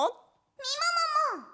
みももも！